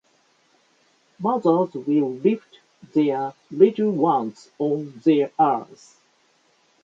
Mothers will lift their little ones on their arms.